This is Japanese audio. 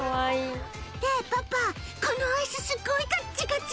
「ねぇパパこのアイスすごいカッチカチ」